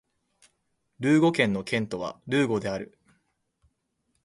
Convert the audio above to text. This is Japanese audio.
ルーゴ県の県都はルーゴである